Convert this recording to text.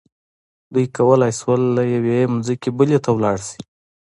دوی کولی شول له یوې ځمکې بلې ته لاړ شي.